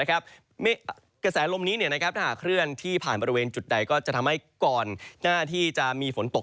กระแสลมนี้ถ้าหากเคลื่อนที่ผ่านบริเวณจุดใดก็จะทำให้ก่อนหน้าที่จะมีฝนตก